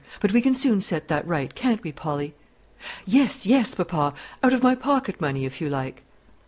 But we can soon set that right, can't we, Polly?" "Yes, yes, papa; out of my pocket money, if you like."